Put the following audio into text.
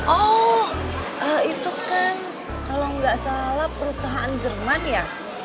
oh itu kan kalau nggak salah perusahaan jerman ya